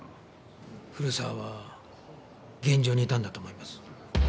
古沢は現場にいたんだと思います。